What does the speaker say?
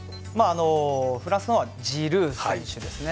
フランスはジルー選手ですね。